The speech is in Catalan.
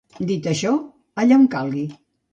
Dit això, allà on calgui.